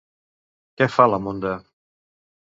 Què fa la Munda?